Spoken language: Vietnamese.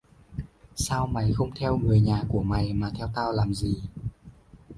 Sao mày không theo người nhà của mày mà theo tao làm gì